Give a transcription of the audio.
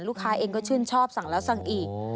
ลูกค้าเองก็ชื่นชอบสั่งแล้วสั่งอีก